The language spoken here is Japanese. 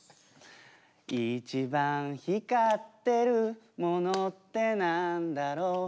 「一番ひかってるものってなんだろう？」